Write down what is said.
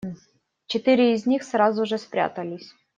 Четыре из них сразу же спрятались.